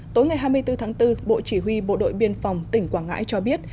tối ngày hai mươi bốn tháng bốn bộ chỉ huy bộ đội biên phòng tỉnh quảng ngãi cho biết